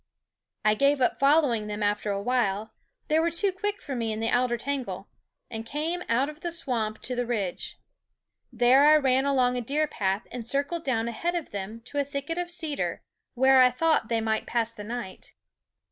I gave up following them after a while they were too quick for me in the alder tangle and came out of the swamp to the ridge. There I ran along a deer path and circled down ahead of them to a thicket of cedar, where ^^ z ^^^'^ I thought ^^^^^^ they might pass the night.